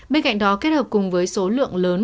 bên cạnh đó kết hợp cùng với số lượng lớn